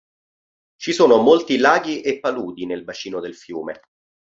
Ci sono molti laghi e paludi nel bacino del fiume.